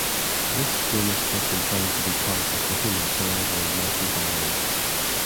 This genus has been found to be part of the human salivary microbiome.